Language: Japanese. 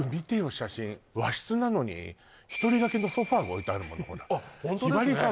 写真和室なのに一人がけのソファーが置いてあるものほらひばりさん